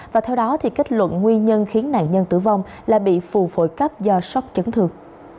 và theo đó thì kết luận nguyên nhân khiến nạn nhân tử vong là bị phù phổi cấp do sốc chấn thương